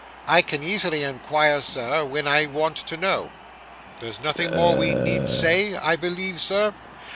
'I can easily inquire, sir, when I want to know.' 'There's nothing more we need say, I believe, sir?